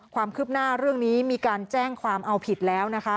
ความคืบหน้าเรื่องนี้มีการแจ้งความเอาผิดแล้วนะคะ